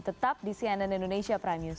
tetap di cnn indonesia prime news